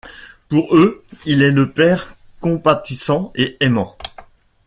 Pour eux il est le ‘père’ compatissant et aimant.